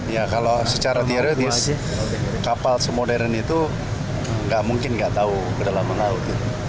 ya kalau secara teoretis kapal semodern itu gak mungkin gak tahu berdalam mengaut itu